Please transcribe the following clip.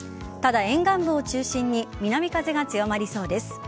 ただ、沿岸部を中心に南風が強まりそうです。